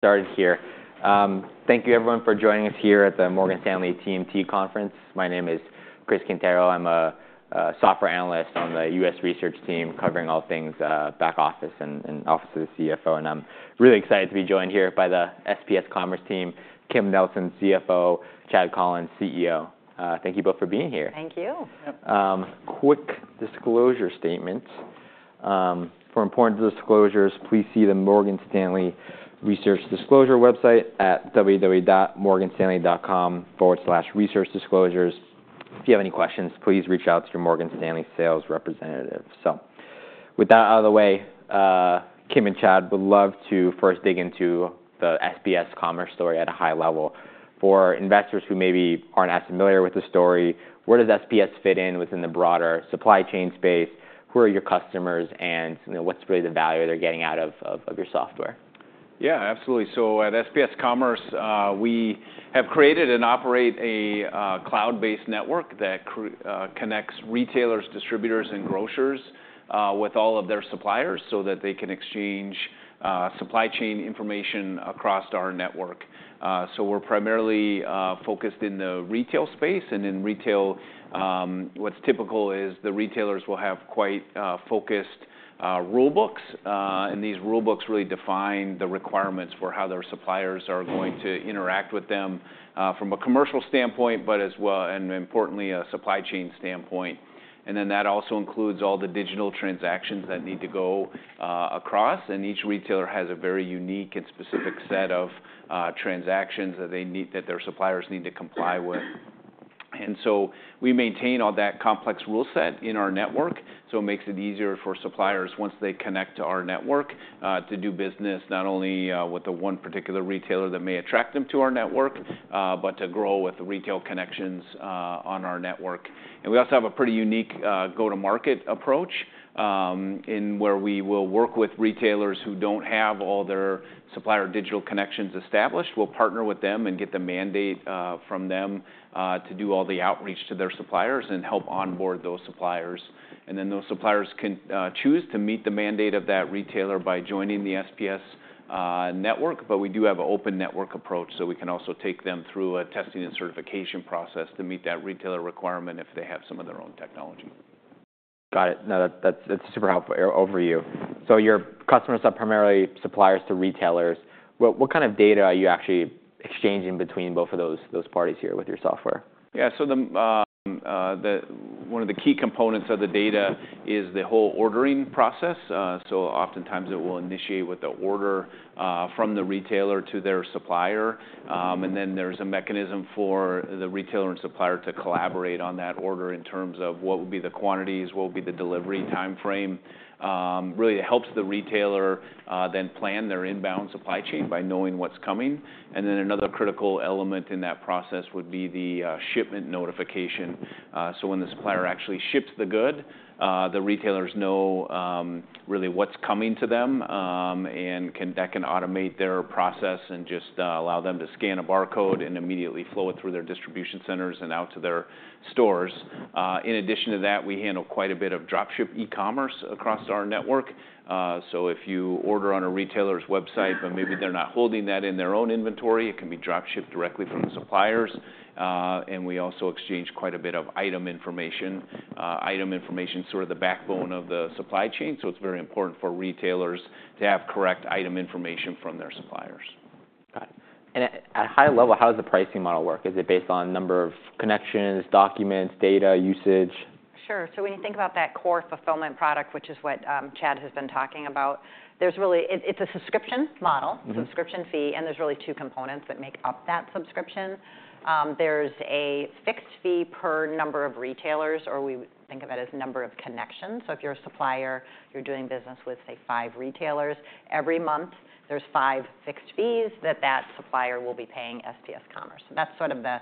Started here. Thank you everyone for joining us here at the Morgan Stanley TMT Conference. My name is Chris Quintero. I'm a software analyst on the U.S. research team covering all things, back office and office of the CFO. And I'm really excited to be joined here by the SPS Commerce team, Kim Nelson, CFO, Chad Collins, CEO. Thank you both for being here. Thank you. Quick disclosure statement. For important disclosures, please see the Morgan Stanley Research Disclosure website at www.morganstanley.com/researchdisclosures. If you have any questions, please reach out to your Morgan Stanley sales representative. So with that out of the way, Kim and Chad would love to first dig into the SPS Commerce story at a high level. For investors who maybe aren't as familiar with the story, where does SPS fit in within the broader supply chain space? Who are your customers? And, you know, what's really the value they're getting out of your software? Yeah, absolutely. So at SPS Commerce, we have created and operate a cloud-based network that connects retailers, distributors, and grocers with all of their suppliers so that they can exchange supply chain information across our network. So we're primarily focused in the retail space. And in retail, what's typical is the retailers will have quite focused rulebooks. And these rulebooks really define the requirements for how their suppliers are going to interact with them from a commercial standpoint, but as well and importantly a supply chain standpoint. And then that also includes all the digital transactions that need to go across. And each retailer has a very unique and specific set of transactions that they need that their suppliers need to comply with. And so we maintain all that complex rule set in our network. So it makes it easier for suppliers, once they connect to our network, to do business not only with the one particular retailer that may attract them to our network, but to grow with the retail connections on our network. And we also have a pretty unique go-to-market approach in where we will work with retailers who don't have all their supplier digital connections established. We'll partner with them and get the mandate from them to do all the outreach to their suppliers and help onboard those suppliers. And then those suppliers can choose to meet the mandate of that retailer by joining the SPS network. But we do have an open network approach. So we can also take them through a testing and certification process to meet that retailer requirement if they have some of their own technology. Got it. No, that's super helpful. Over to you. So your customers are primarily suppliers to retailers. What kind of data are you actually exchanging between both of those parties here with your software? Yeah. So the one of the key components of the data is the whole ordering process, so oftentimes it will initiate with the order from the retailer to their supplier. And then there's a mechanism for the retailer and supplier to collaborate on that order in terms of what would be the quantities, what would be the delivery timeframe. Really it helps the retailer then plan their inbound supply chain by knowing what's coming. And then another critical element in that process would be the shipment notification, so when the supplier actually ships the goods, the retailers know really what's coming to them, and that can automate their process and just allow them to scan a barcode and immediately flow it through their distribution centers and out to their stores. In addition to that, we handle quite a bit of dropship e-commerce across our network. So if you order on a retailer's website, but maybe they're not holding that in their own inventory, it can be dropshipped directly from the suppliers. And we also exchange quite a bit of item information, item information, sort of the backbone of the supply chain. So it's very important for retailers to have correct item information from their suppliers. Got it. And at a high level, how does the pricing model work? Is it based on number of connections, documents, data usage? Sure. So when you think about that core Fulfillment product, which is what Chad has been talking about, there's really it's a subscription model. Mm-hmm. Subscription fee. And there's really two components that make up that subscription. There's a fixed fee per number of retailers, or we think of it as number of connections. So if you're a supplier, you're doing business with, say, five retailers every month, there's five fixed fees that that supplier will be paying SPS Commerce. And that's sort of the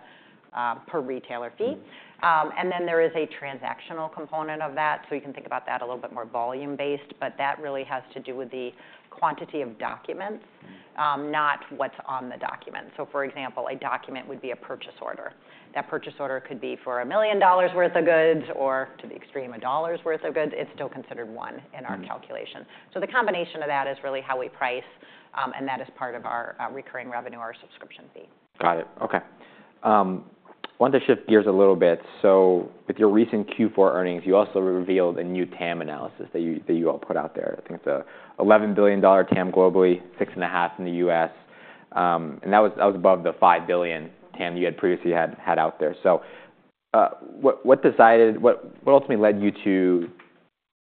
per retailer fee. And then there is a transactional component of that. So you can think about that a little bit more volume-based. But that really has to do with the quantity of documents, not what's on the document. So for example, a document would be a purchase order. That purchase order could be for $1 million worth of goods or, to the extreme, $1 worth of goods. It's still considered one in our calculation. So the combination of that is really how we price, and that is part of our recurring revenue or subscription fee. Got it. Okay. I wanted to shift gears a little bit. So with your recent Q4 earnings, you also revealed a new TAM analysis that you all put out there. I think it's a $11 billion TAM globally, $6.5 billion in the U.S. And that was above the $5 billion TAM you had previously had out there. So, what ultimately led you to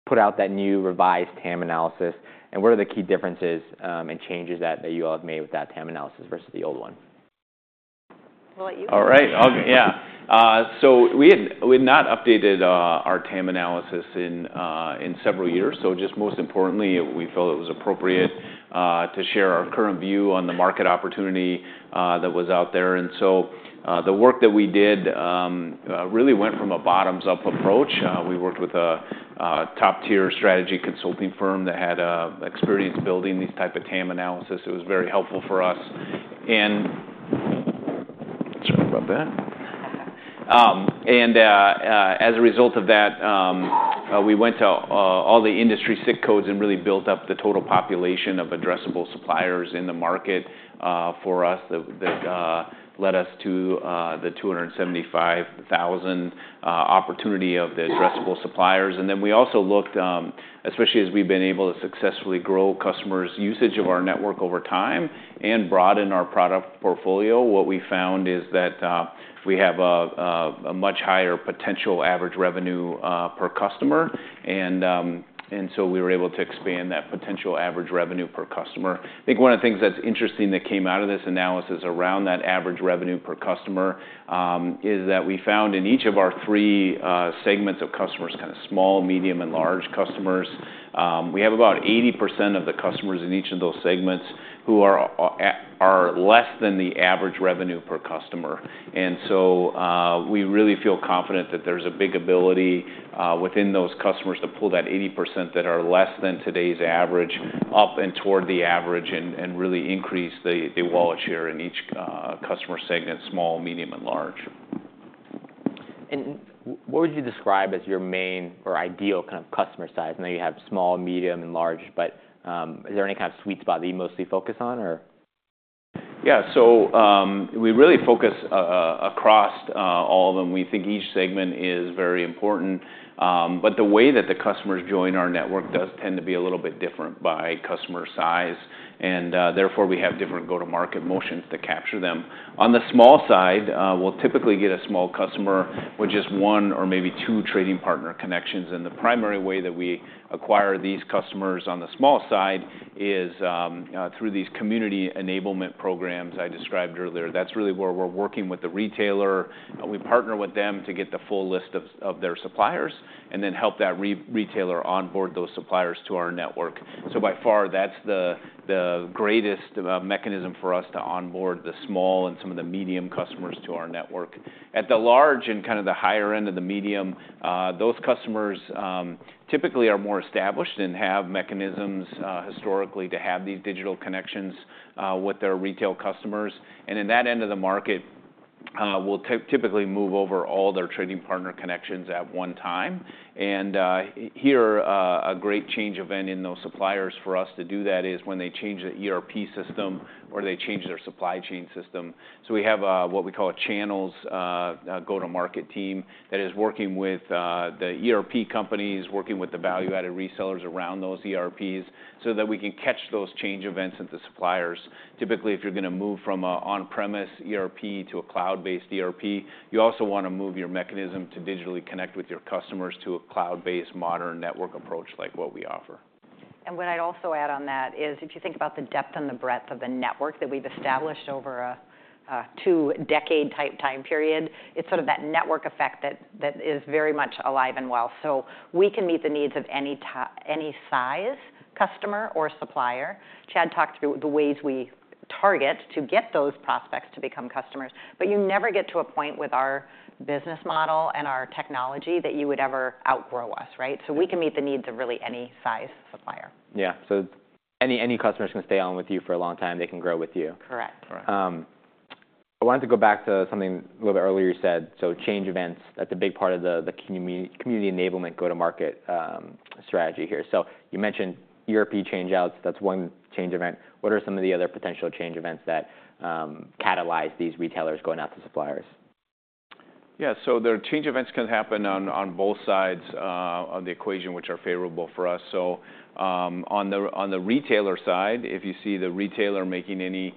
put out that new revised TAM analysis? And what are the key differences and changes that you all have made with that TAM analysis versus the old one? Well, let you go. All right. Yeah, so we had not updated our TAM analysis in several years. So just most importantly, we felt it was appropriate to share our current view on the market opportunity that was out there. And so the work that we did really went from a bottoms-up approach. We worked with a top-tier strategy consulting firm that had experience building these type of TAM analysis. It was very helpful for us. Sorry about that. And as a result of that, we went to all the industry SIC codes and really built up the total population of addressable suppliers in the market. For us that led us to the 275,000 opportunity of the addressable suppliers. And then we also looked, especially as we've been able to successfully grow customers' usage of our network over time and broaden our product portfolio. What we found is that we have a much higher potential average revenue per customer. And so we were able to expand that potential average revenue per customer. I think one of the things that's interesting that came out of this analysis around that average revenue per customer is that we found in each of our three segments of customers, kind of small, medium, and large customers, we have about 80% of the customers in each of those segments who are less than the average revenue per customer. We really feel confident that there's a big ability within those customers to pull that 80% that are less than today's average up and toward the average and really increase the wallet share in each customer segment: small, medium, and large. What would you describe as your main or ideal kind of customer size? I know you have small, medium, and large, but is there any kind of sweet spot that you mostly focus on, or? Yeah. So, we really focus across all of them. We think each segment is very important. But the way that the customers join our network does tend to be a little bit different by customer size. And, therefore we have different go-to-market motions to capture them. On the small side, we'll typically get a small customer with just one or maybe two trading partner connections. And the primary way that we acquire these customers on the small side is through these Community Enablement programs I described earlier. That's really where we're working with the retailer. We partner with them to get the full list of their suppliers and then help that retailer onboard those suppliers to our network. So by far, that's the greatest mechanism for us to onboard the small and some of the medium customers to our network. At the large and kind of the higher end of the medium, those customers typically are more established and have mechanisms historically to have these digital connections with their retail customers. And in that end of the market, we'll typically move over all their trading partner connections at one time. And here, a great change event in those suppliers for us to do that is when they change the ERP system or they change their supply chain system. So we have what we call our channels go-to-market team that is working with the ERP companies, working with the value-added resellers around those ERPs so that we can catch those change events at the suppliers. Typically, if you're gonna move from an on-premise ERP to a cloud-based ERP, you also wanna move your mechanism to digitally connect with your customers to a cloud-based modern network approach like what we offer. What I'd also add on that is if you think about the depth and the breadth of the network that we've established over a two-decade type time period, it's sort of that network effect that is very much alive and well. So we can meet the needs of any type any size customer or supplier. Chad talked through the ways we target to get those prospects to become customers. But you never get to a point with our business model and our technology that you would ever outgrow us, right? So we can meet the needs of really any size supplier. Yeah. So it's any customers can stay on with you for a long time. They can grow with you. Correct. Right. I wanted to go back to something a little bit earlier you said. So change events, that's a big part of the Community Enablement go-to-market strategy here. So you mentioned ERP changeouts. That's one change event. What are some of the other potential change events that catalyze these retailers going out to suppliers? Yeah. So there are change events can happen on both sides of the equation, which are favorable for us. So, on the retailer side, if you see the retailer making any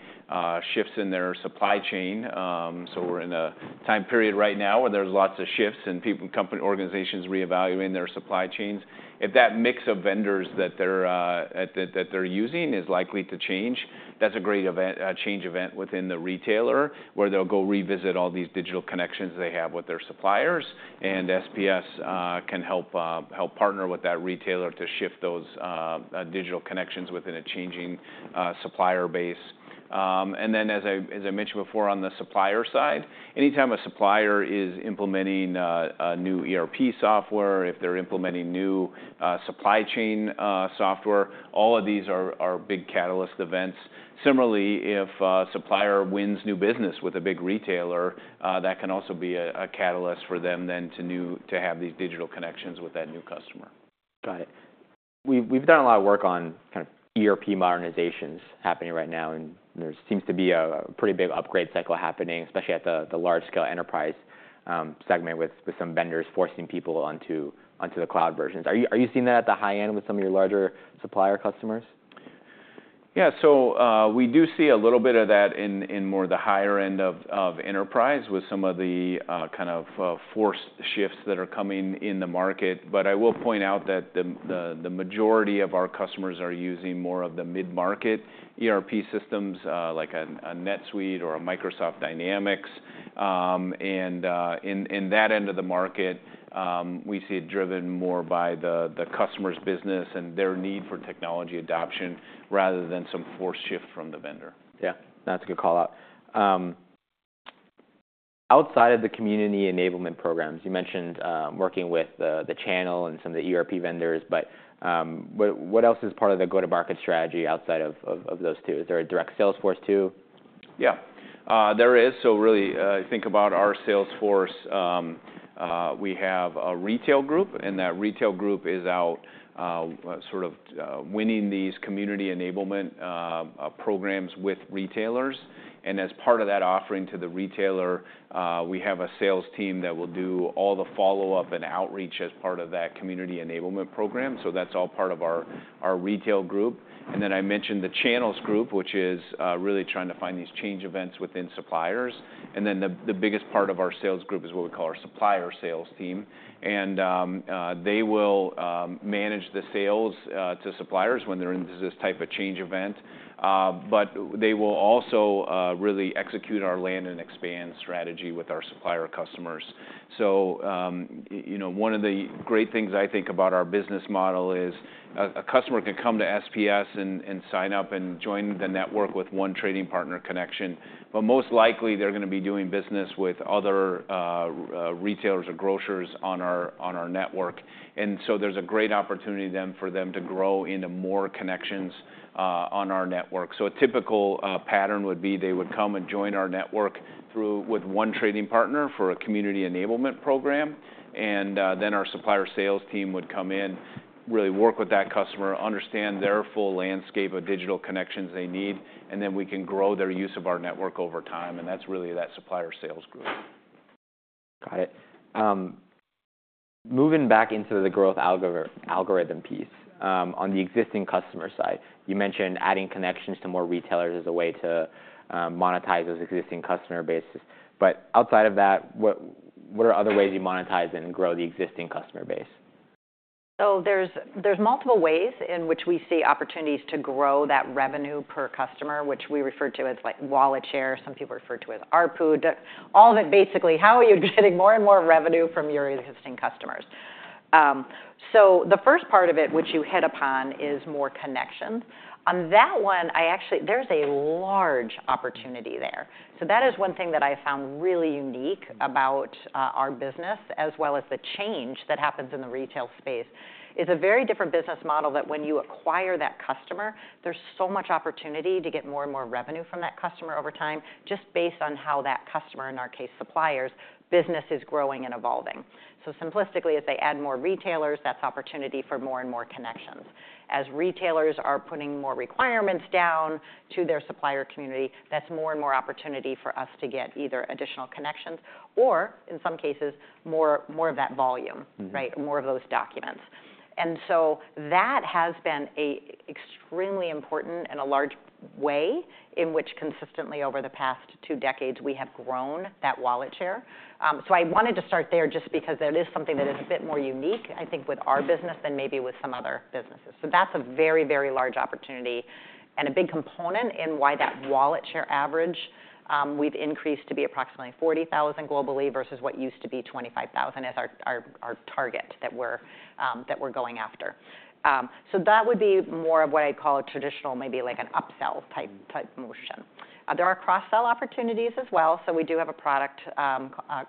shifts in their supply chain, so we're in a time period right now where there's lots of shifts and companies, organizations reevaluating their supply chains, if that mix of vendors that they're using is likely to change, that's a great change event within the retailer where they'll go revisit all these digital connections they have with their suppliers. And SPS can help partner with that retailer to shift those digital connections within a changing supplier base. And then as I mentioned before on the supplier side, anytime a supplier is implementing a new ERP software, if they're implementing new supply chain software, all of these are big catalyst events. Similarly, if a supplier wins new business with a big retailer, that can also be a catalyst for them then to now have these digital connections with that new customer. Got it. We've done a lot of work on kind of ERP modernizations happening right now. There seems to be a pretty big upgrade cycle happening, especially at the large-scale enterprise segment with some vendors forcing people onto the cloud versions. Are you seeing that at the high end with some of your larger supplier customers? Yeah. So, we do see a little bit of that in more of the higher end of enterprise with some of the kind of forced shifts that are coming in the market. But I will point out that the majority of our customers are using more of the mid-market ERP systems, like a NetSuite or a Microsoft Dynamics, and in that end of the market, we see it driven more by the customer's business and their need for technology adoption rather than some forced shift from the vendor. Yeah. That's a good call out. Outside of the Community Enablement programs you mentioned, working with the channel and some of the ERP vendors. But what else is part of the go-to-market strategy outside of those two? Is there a direct sales force too? Yeah. There is. So really, think about our sales force. We have a retail group. And that retail group is out, sort of, winning these Community Enablement programs with retailers. And as part of that offering to the retailer, we have a sales team that will do all the follow-up and outreach as part of that Community Enablement program. So that's all part of our retail group. And then I mentioned the channels group, which is really trying to find these change events within suppliers. And then the biggest part of our sales group is what we call our supplier sales team. And they will manage the sales to suppliers when they're in this type of change event. But they will also really execute our land and expand strategy with our supplier customers. You know, one of the great things I think about our business model is a customer can come to SPS and sign up and join the network with one trading partner connection. Most likely, they're gonna be doing business with other retailers or grocers on our network. There's a great opportunity then for them to grow into more connections on our network. A typical pattern would be they would come and join our network through with one trading partner for a Community Enablement program. Our supplier sales team would come in, really work with that customer, understand their full landscape of digital connections they need, and then we can grow their use of our network over time. That's really that supplier sales group. Got it. Moving back into the growth algorithm piece, on the existing customer side, you mentioned adding connections to more retailers as a way to monetize those existing customer bases. But outside of that, what are other ways you monetize and grow the existing customer base? So there's multiple ways in which we see opportunities to grow that revenue per customer, which we refer to as, like, wallet share. Some people refer to it as ARPU. All of it basically, how are you getting more and more revenue from your existing customers? So the first part of it, which you hit upon, is more connections. On that one, I actually, there's a large opportunity there. So that is one thing that I found really unique about our business as well as the change that happens in the retail space is a very different business model that when you acquire that customer, there's so much opportunity to get more and more revenue from that customer over time just based on how that customer, in our case, suppliers' business is growing and evolving. So simplistically, as they add more retailers, that's opportunity for more and more connections. As retailers are putting more requirements down to their supplier community, that's more and more opportunity for us to get either additional connections or, in some cases, more of that volume, right, more of those documents, and so that has been a extremely important and a large way in which consistently over the past two decades we have grown that wallet share, so I wanted to start there just because that is something that is a bit more unique, I think, with our business than maybe with some other businesses, so that's a very, very large opportunity and a big component in why that wallet share average, we've increased to be approximately 40,000 globally versus what used to be 25,000 as our target that we're going after, so that would be more of what I'd call a traditional, maybe like an upsell type motion. There are cross-sell opportunities as well. So we do have a product,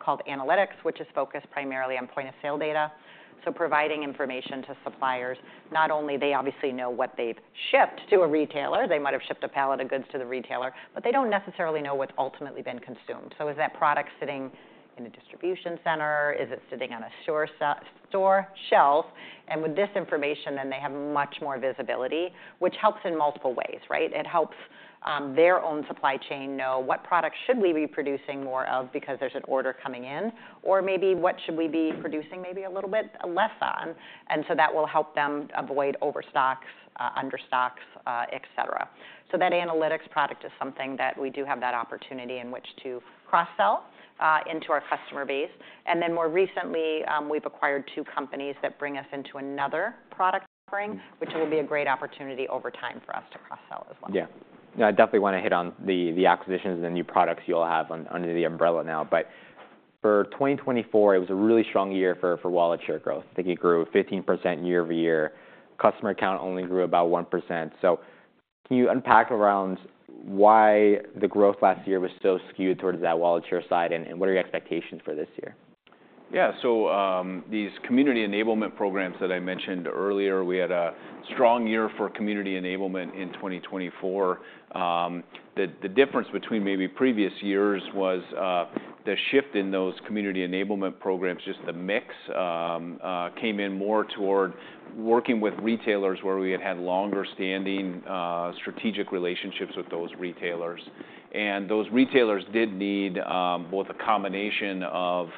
called Analytics, which is focused primarily on point-of-sale data. So providing information to suppliers, not only they obviously know what they've shipped to a retailer, they might have shipped a pallet of goods to the retailer, but they don't necessarily know what's ultimately been consumed. So is that product sitting in a distribution center? Is it sitting on a store shelf? And with this information, then they have much more visibility, which helps in multiple ways, right? It helps their own supply chain know what products should we be producing more of because there's an order coming in, or maybe what should we be producing maybe a little bit less on. And so that will help them avoid overstocks, understocks, etc. So that Analytics product is something that we do have that opportunity in which to cross-sell, into our customer base. And then more recently, we've acquired two companies that bring us into another product offering, which will be a great opportunity over time for us to cross-sell as well. Yeah. Yeah. I definitely wanna hit on the acquisitions and the new products you all have on under the umbrella now. But for 2024, it was a really strong year for wallet share growth. I think it grew 15% year over year. Customer count only grew about 1%. So can you unpack around why the growth last year was so skewed towards that wallet share side and what are your expectations for this year? Yeah. So, these Community Enablement programs that I mentioned earlier, we had a strong year for Community Enablement in 2024. The difference between maybe previous years was the shift in those Community Enablement programs, just the mix, came in more toward working with retailers where we had had longer-standing strategic relationships with those retailers. And those retailers did need both a combination of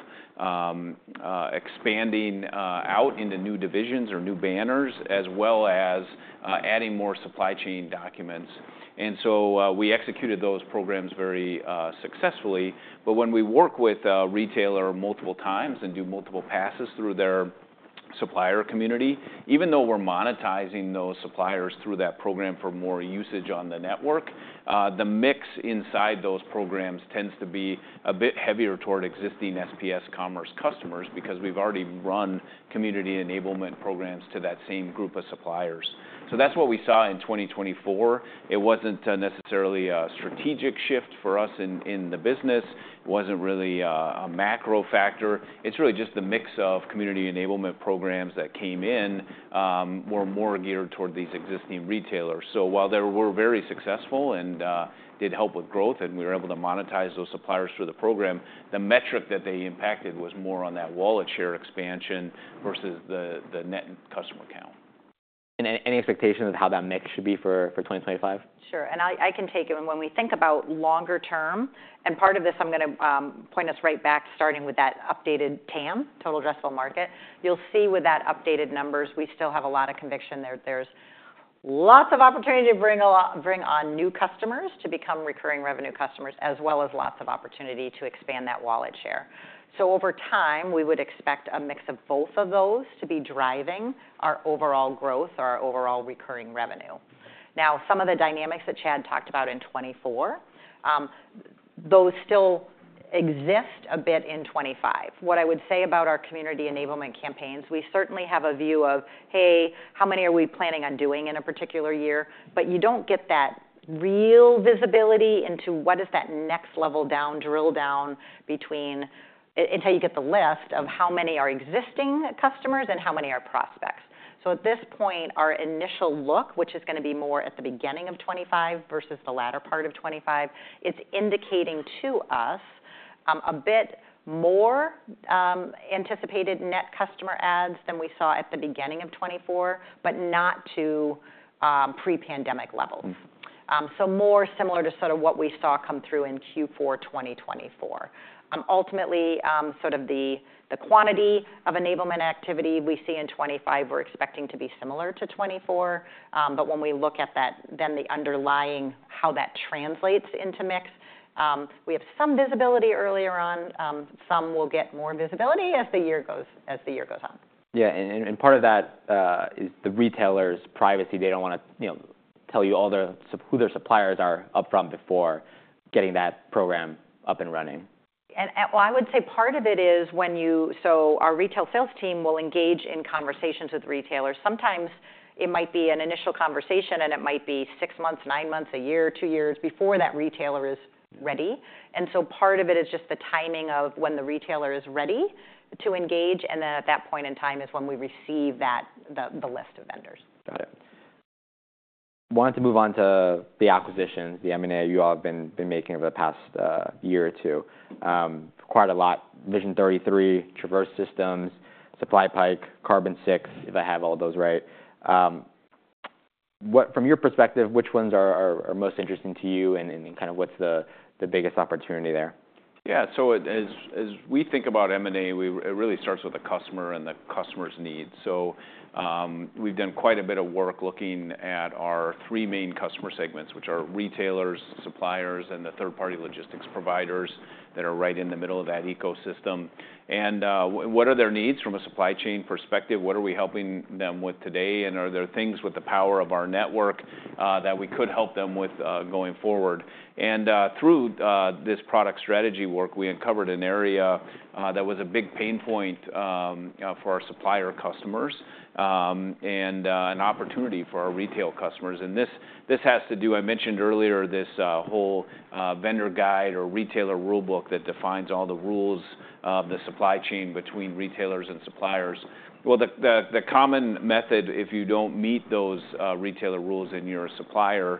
expanding out into new divisions or new banners as well as adding more supply chain documents. And so, we executed those programs very successfully. But when we work with a retailer multiple times and do multiple passes through their supplier community, even though we're monetizing those suppliers through that program for more usage on the network, the mix inside those programs tends to be a bit heavier toward existing SPS Commerce customers because we've already run Community Enablement programs to that same group of suppliers. So that's what we saw in 2024. It wasn't necessarily a strategic shift for us in the business. It wasn't really a macro factor. It's really just the mix of Community Enablement programs that came in, were more geared toward these existing retailers. So while they were very successful and did help with growth and we were able to monetize those suppliers through the program, the metric that they impacted was more on that wallet share expansion versus the net customer count. Any expectations of how that mix should be for 2025? Sure, and I can take it, and when we think about longer term, and part of this I'm gonna point us right back starting with that updated TAM, total addressable market, you'll see with that updated numbers, we still have a lot of conviction there. There's lots of opportunity to bring on new customers to become recurring revenue customers as well as lots of opportunity to expand that wallet share, so over time, we would expect a mix of both of those to be driving our overall growth or our overall recurring revenue. Now, some of the dynamics that Chad talked about in 2024, those still exist a bit in 2025. What I would say about our Community Enablement campaigns, we certainly have a view of, "Hey, how many are we planning on doing in a particular year?" But you don't get that real visibility into what is that next level down drill down between until you get the list of how many are existing customers and how many are prospects. So at this point, our initial look, which is gonna be more at the beginning of 2025 versus the latter part of 2025, it's indicating to us a bit more anticipated net customer adds than we saw at the beginning of 2024, but not to pre-pandemic levels. Mm-hmm. So more similar to sort of what we saw come through in Q4 2024. Ultimately, sort of the quantity of enablement activity we see in 2025, we're expecting to be similar to 2024. But when we look at that, then the underlying how that translates into mix, we have some visibility earlier on. Some will get more visibility as the year goes on. Yeah. And part of that is the retailer's privacy. They don't wanna, you know, tell you all their suppliers are upfront before getting that program up and running. I would say part of it is when you so our retail sales team will engage in conversations with retailers. Sometimes it might be an initial conversation, and it might be six months, nine months, a year, two years before that retailer is ready. Part of it is just the timing of when the retailer is ready to engage. At that point in time is when we receive that, the list of vendors. Got it. Wanted to move on to the acquisitions, the M&A you all have been making over the past year or two. Quite a lot. Vision33, Traverse Systems, SupplyPike, Carbon6, if I have all those right. What from your perspective, which ones are most interesting to you and kind of what's the biggest opportunity there? Yeah. So as we think about M&A, it really starts with the customer and the customer's needs. So we've done quite a bit of work looking at our three main customer segments, which are retailers, suppliers, and the third-party logistics providers that are right in the middle of that ecosystem. And what are their needs from a supply chain perspective? What are we helping them with today? And are there things with the power of our network that we could help them with, going forward? And through this product strategy work, we uncovered an area that was a big pain point for our supplier customers, and an opportunity for our retail customers. And this has to do. I mentioned earlier this whole vendor guide or retailer rulebook that defines all the rules of the supply chain between retailers and suppliers. The common method, if you don't meet those retailer rules in your supplier,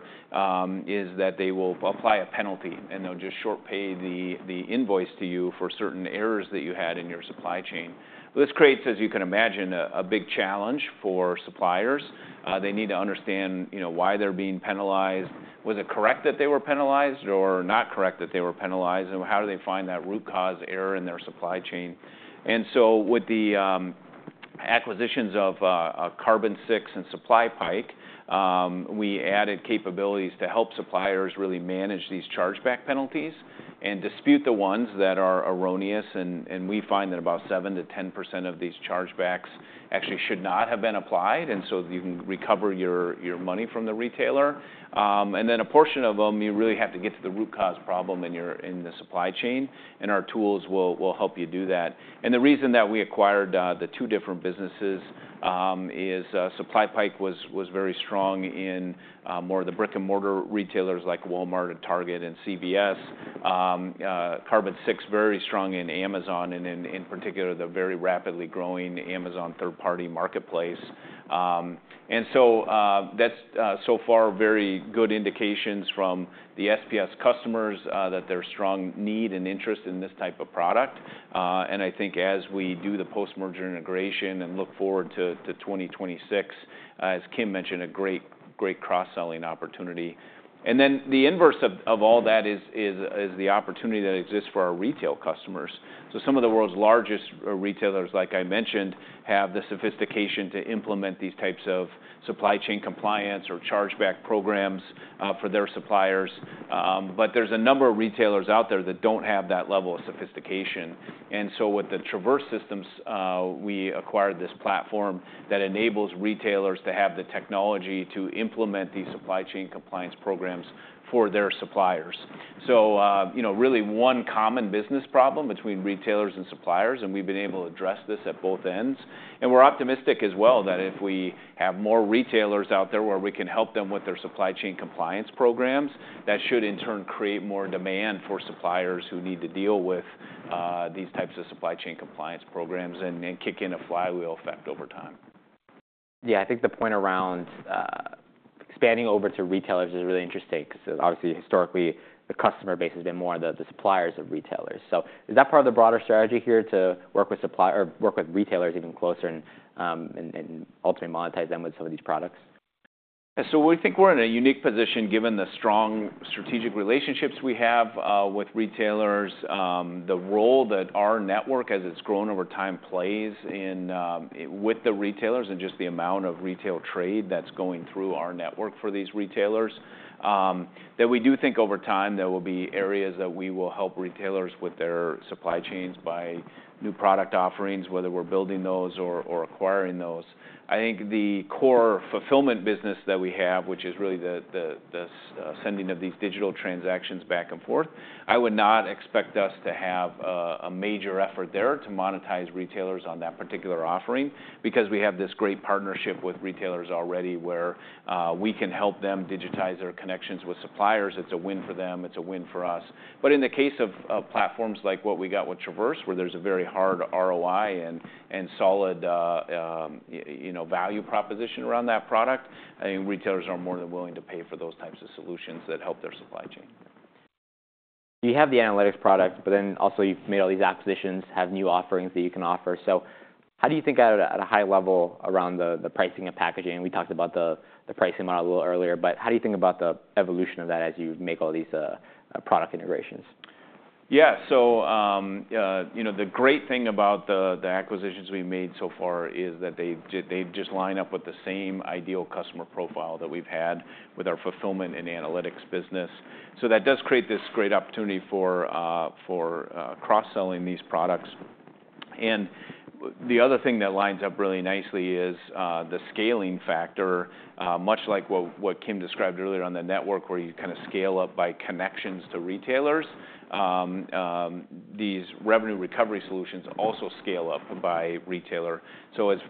is that they will apply a penalty and they'll just short pay the invoice to you for certain errors that you had in your supply chain. This creates, as you can imagine, a big challenge for suppliers. They need to understand, you know, why they're being penalized. Was it correct that they were penalized or not correct that they were penalized? And how do they find that root cause error in their supply chain? And so with the acquisitions of Carbon6 and SupplyPike, we added capabilities to help suppliers really manage these chargeback penalties and dispute the ones that are erroneous. And we find that about 7%-10% of these chargebacks actually should not have been applied. And so you can recover your money from the retailer. And then a portion of them, you really have to get to the root cause problem in the supply chain. Our tools will help you do that. The reason that we acquired the two different businesses is SupplyPike was very strong in more of the brick-and-mortar retailers like Walmart and Target and CVS. Carbon6 very strong in Amazon and in particular the very rapidly growing Amazon third-party marketplace. So that's so far very good indications from the SPS customers that there's strong need and interest in this type of product. I think as we do the post-merger integration and look forward to 2026, as Kim mentioned, a great cross-selling opportunity. Then the inverse of all that is the opportunity that exists for our retail customers. So some of the world's largest retailers, like I mentioned, have the sophistication to implement these types of supply chain compliance or chargeback programs for their suppliers. But there's a number of retailers out there that don't have that level of sophistication. And so with the Traverse Systems, we acquired this platform that enables retailers to have the technology to implement these supply chain compliance programs for their suppliers. So, you know, really one common business problem between retailers and suppliers, and we've been able to address this at both ends. And we're optimistic as well that if we have more retailers out there where we can help them with their supply chain compliance programs, that should in turn create more demand for suppliers who need to deal with these types of supply chain compliance programs and kick in a flywheel effect over time. Yeah. I think the point around expanding over to retailers is really interesting, 'cause obviously historically the customer base has been more the suppliers of retailers. So is that part of the broader strategy here to work with supply or work with retailers even closer and ultimately monetize them with some of these products? Yeah. So we think we're in a unique position given the strong strategic relationships we have with retailers. The role that our network, as it's grown over time, plays in with the retailers and just the amount of retail trade that's going through our network for these retailers, that we do think over time there will be areas that we will help retailers with their supply chains by new product offerings, whether we're building those or acquiring those. I think the core Fulfillment business that we have, which is really the sending of these digital transactions back and forth, I would not expect us to have a major effort there to monetize retailers on that particular offering because we have this great partnership with retailers already where we can help them digitize their connections with suppliers. It's a win for them. It's a win for us. But in the case of platforms like what we got with Traverse, where there's a very hard ROI and solid, you know, value proposition around that product, I think retailers are more than willing to pay for those types of solutions that help their supply chain. You have the Analytics product, but then also you've made all these acquisitions, have new offerings that you can offer. So how do you think at a high level around the pricing and packaging? And we talked about the pricing model a little earlier, but how do you think about the evolution of that as you make all these product integrations? Yeah. So, you know, the great thing about the acquisitions we've made so far is that they just line up with the same ideal customer profile that we've had with our Fulfillment and Analytics business. So that does create this great opportunity for cross-selling these products. And the other thing that lines up really nicely is the scaling factor, much like what Kim described earlier on the network where you kind of scale up by connections to retailers. These revenue recovery solutions also scale up by retailer. So it's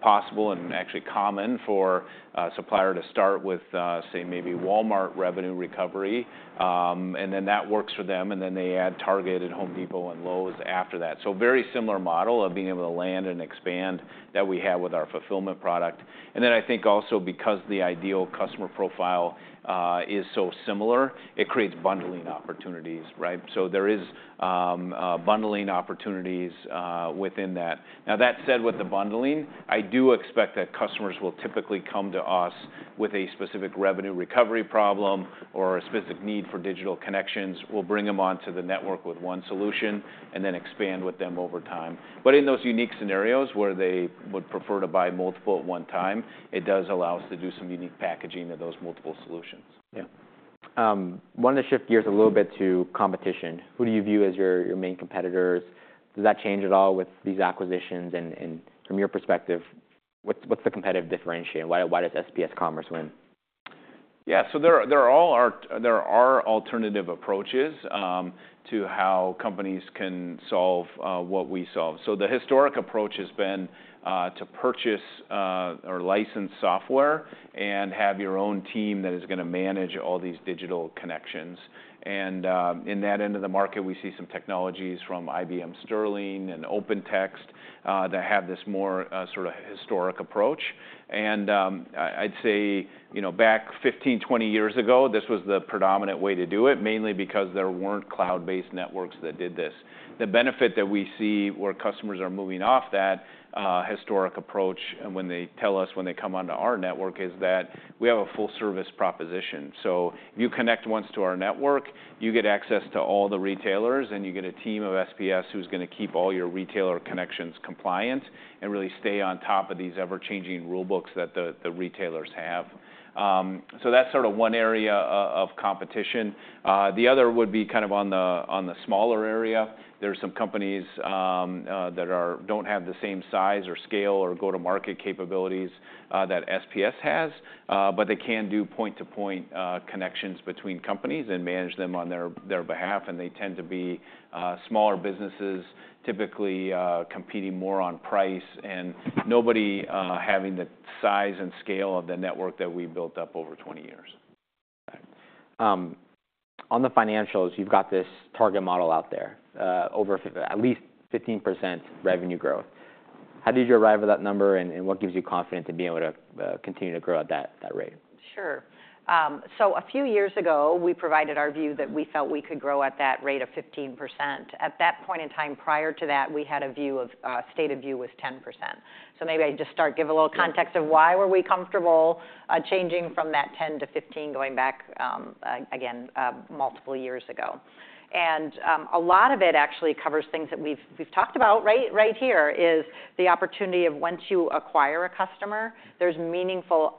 possible and actually common for a supplier to start with, say, maybe Walmart revenue recovery, and then that works for them. And then they add Target and Home Depot and Lowe's after that. So very similar model of being able to land and expand that we have with our Fulfillment product. And then I think also because the ideal customer profile is so similar, it creates bundling opportunities, right? So there is bundling opportunities within that. Now, that said, with the bundling, I do expect that customers will typically come to us with a specific revenue recovery problem or a specific need for digital connections. We'll bring them onto the network with one solution and then expand with them over time. But in those unique scenarios where they would prefer to buy multiple at one time, it does allow us to do some unique packaging of those multiple solutions. Yeah, wanted to shift gears a little bit to competition. Who do you view as your main competitors? Does that change at all with these acquisitions, and from your perspective, what's the competitive differentiator? Why does SPS Commerce win? Yeah. So there are a lot of alternative approaches to how companies can solve what we solve. So the historic approach has been to purchase or license software and have your own team that is gonna manage all these digital connections. And in that end of the market, we see some technologies from IBM Sterling and OpenText that have this more sort of historic approach. And I'd say, you know, back 15-20 years ago, this was the predominant way to do it, mainly because there weren't cloud-based networks that did this. The benefit that we see where customers are moving off that historic approach and when they tell us when they come onto our network is that we have a full-service proposition. So if you connect once to our network, you get access to all the retailers, and you get a team of SPS who's gonna keep all your retailer connections compliant and really stay on top of these ever-changing rulebooks that the, the retailers have. So that's sort of one area of competition. The other would be kind of on the, on the smaller area. There's some companies that don't have the same size or scale or go-to-market capabilities that SPS has, but they can do point-to-point connections between companies and manage them on their, their behalf. And they tend to be smaller businesses, typically, competing more on price and nobody having the size and scale of the network that we built up over 20 years. Got it. On the financials, you've got this target model out there, over at least 15% revenue growth. How did you arrive at that number, and what gives you confidence in being able to continue to grow at that rate? Sure, so a few years ago, we provided our view that we felt we could grow at that rate of 15%. At that point in time, prior to that, we had a view of. Stated view was 10%. So maybe I just start, give a little context of why were we comfortable changing from that 10%-15% going back, again, multiple years ago. And a lot of it actually covers things that we've talked about right, right here is the opportunity of once you acquire a customer, there's meaningful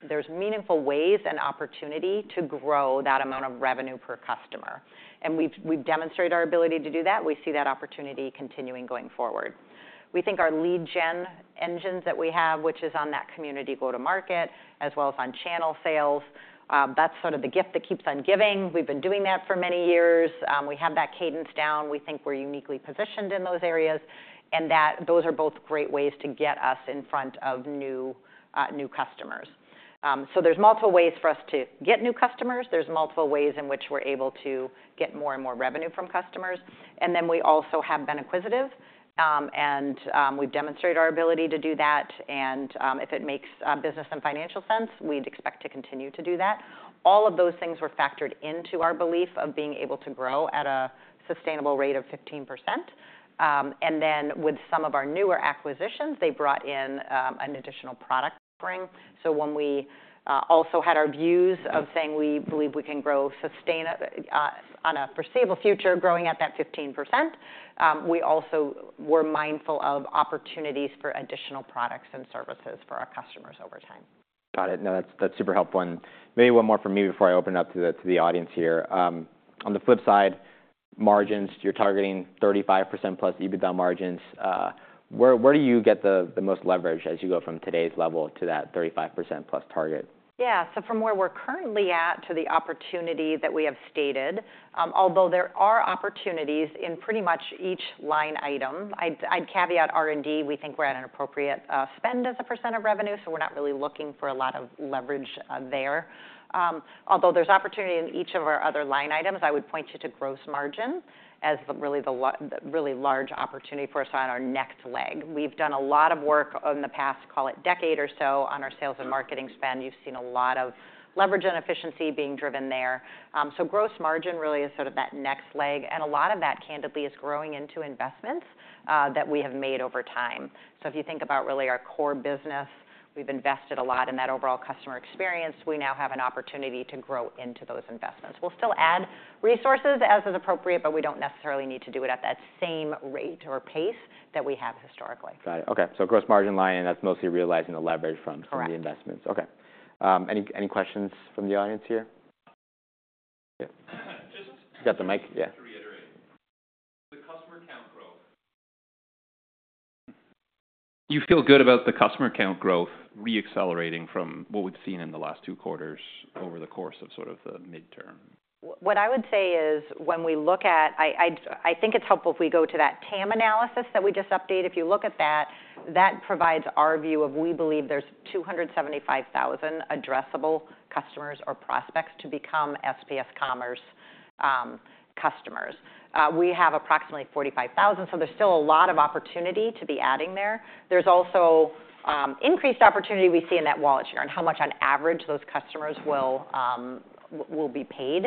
ways and opportunity to grow that amount of revenue per customer. And we've demonstrated our ability to do that. We see that opportunity continuing going forward. We think our lead gen engines that we have, which is on that community go-to-market as well as on channel sales, that's sort of the gift that keeps on giving. We've been doing that for many years. We have that cadence down. We think we're uniquely positioned in those areas, and that those are both great ways to get us in front of new, new customers, so there's multiple ways for us to get new customers. There's multiple ways in which we're able to get more and more revenue from customers, and then we also have been acquisitive, and we've demonstrated our ability to do that, and if it makes business and financial sense, we'd expect to continue to do that. All of those things were factored into our belief of being able to grow at a sustainable rate of 15%, and then with some of our newer acquisitions, they brought in an additional product offering. So when we also had our views of saying we believe we can grow sustainably on a foreseeable future, growing at that 15%, we also were mindful of opportunities for additional products and services for our customers over time. Got it. No, that's, that's super helpful. And maybe one more from me before I open it up to the, to the audience here. On the flip side, margins, you're targeting 35%+ EBITDA margins. Where, where do you get the, the most leverage as you go from today's level to that 35%+ target? Yeah. So from where we're currently at to the opportunity that we have stated, although there are opportunities in pretty much each line item, I'd caveat R&D. We think we're at an appropriate spend as a % of revenue, so we're not really looking for a lot of leverage there. Although there's opportunity in each of our other line items, I would point you to gross margin as the really large opportunity for us on our next leg. We've done a lot of work in the past, call it decade or so, on our sales and marketing spend. You've seen a lot of leverage and efficiency being driven there, so gross margin really is sort of that next leg, and a lot of that, candidly, is growing into investments that we have made over time. So if you think about really our core business, we've invested a lot in that overall customer experience. We now have an opportunity to grow into those investments. We'll still add resources as is appropriate, but we don't necessarily need to do it at that same rate or pace that we have historically. Got it. Okay. So, gross margin line, and that's mostly realizing the leverage from the investments. Correct. Okay. Any questions from the audience here? Just. You got the mic? Yeah. To reiterate, the customer count growth. You feel good about the customer count growth re-accelerating from what we've seen in the last two quarters over the course of sort of the midterm? What I would say is when we look at, I think it's helpful if we go to that TAM analysis that we just updated. If you look at that, that provides our view of we believe there's 275,000 addressable customers or prospects to become SPS Commerce customers. We have approximately 45,000, so there's still a lot of opportunity to be adding there. There's also increased opportunity we see in that wallet share and how much on average those customers will be paid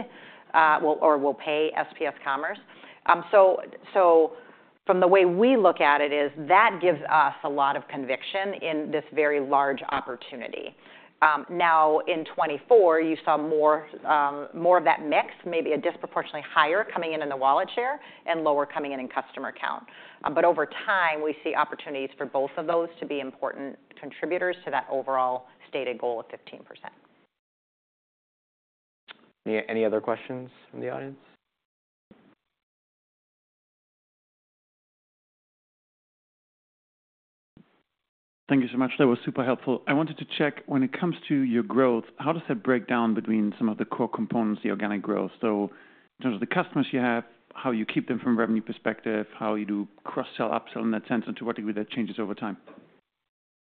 or will pay SPS Commerce. So from the way we look at it, that gives us a lot of conviction in this very large opportunity. Now in 2024, you saw more of that mix, maybe a disproportionately higher coming in in the wallet share and lower coming in in customer count. but over time, we see opportunities for both of those to be important contributors to that overall stated goal of 15%. Any other questions from the audience? Thank you so much. That was super helpful. I wanted to check when it comes to your growth, how does that break down between some of the core components, the organic growth? So in terms of the customers you have, how you keep them from a revenue perspective, how you do cross-sell, upsell in that sense, and to what degree that changes over time?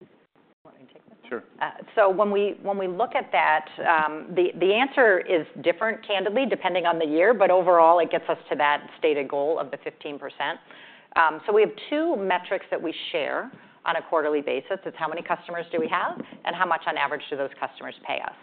You want me to take this? Sure. So when we look at that, the answer is different, candidly, depending on the year, but overall, it gets us to that stated goal of the 15%. So we have two metrics that we share on a quarterly basis. It's how many customers do we have and how much on average do those customers pay us.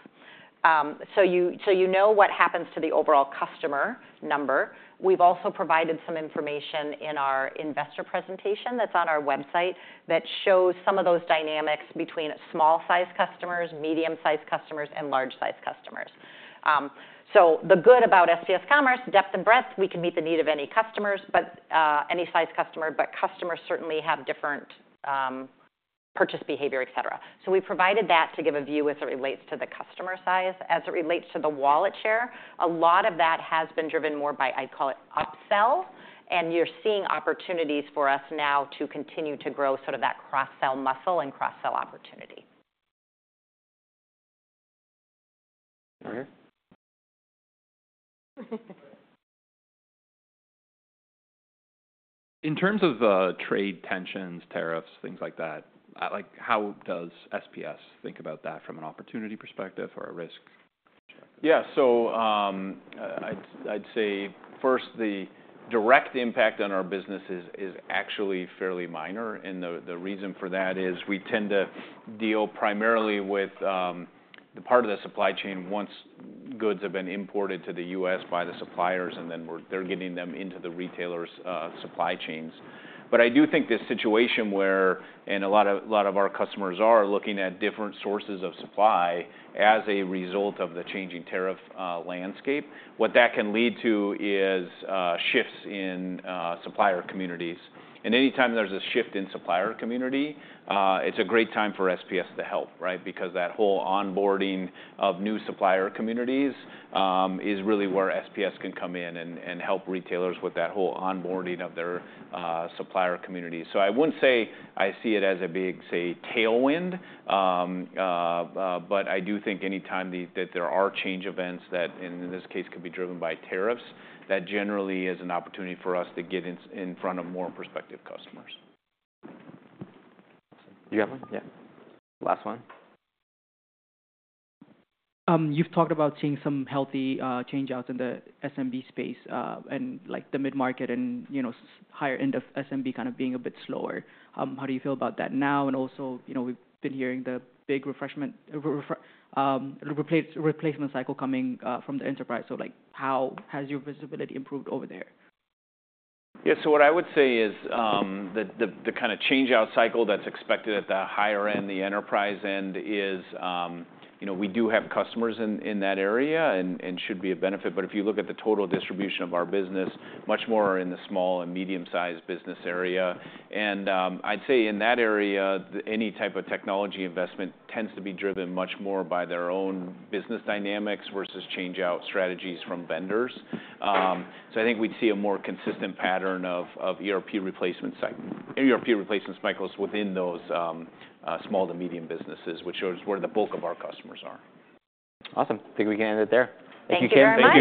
So you know what happens to the overall customer number. We've also provided some information in our investor presentation that's on our website that shows some of those dynamics between small-sized customers, medium-sized customers, and large-sized customers. So the good about SPS Commerce, depth and breadth, we can meet the need of any customers, but any size customer, but customers certainly have different purchase behavior, et cetera. So we provided that to give a view as it relates to the customer size. As it relates to the wallet share, a lot of that has been driven more by, I'd call it, upsell. And you're seeing opportunities for us now to continue to grow sort of that cross-sell muscle and cross-sell opportunity. Okay. In terms of trade tensions, tariffs, things like that, like how does SPS think about that from an opportunity perspective or a risk perspective? Yeah. So, I'd say first, the direct impact on our business is actually fairly minor. And the reason for that is we tend to deal primarily with the part of the supply chain once goods have been imported to the U.S. by the suppliers, and then they're getting them into the retailers' supply chains. But I do think this situation, where a lot of our customers are looking at different sources of supply as a result of the changing tariff landscape, what that can lead to is shifts in supplier communities. And anytime there's a shift in supplier community, it's a great time for SPS to help, right? Because that whole onboarding of new supplier communities is really where SPS can come in and help retailers with that whole onboarding of their supplier community. So I wouldn't say I see it as a big, say, tailwind, but I do think anytime that there are change events that, in this case, could be driven by tariffs, that generally is an opportunity for us to get in front of more prospective customers. You got one? Yeah. Last one. You've talked about seeing some healthy change outs in the SMB space, and like the mid-market and, you know, higher-end of SMB kind of being a bit slower. How do you feel about that now? And also, you know, we've been hearing the big replacement cycle coming from the enterprise. So like how has your visibility improved over there? Yeah. So what I would say is, the kind of change-out cycle that's expected at the higher-end, the enterprise end is, you know, we do have customers in that area and should be a benefit. But if you look at the total distribution of our business, much more in the small and medium-sized business area. I'd say in that area, any type of technology investment tends to be driven much more by their own business dynamics versus change-out strategies from vendors. So I think we'd see a more consistent pattern of ERP replacement cycles within those small to medium businesses, which shows where the bulk of our customers are. Awesome. I think we can end it there. Thank you again. Thank you.